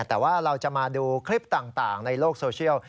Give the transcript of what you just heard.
แต่ว่าเราจะมาดูคลิปต่างในโลกโซเชียล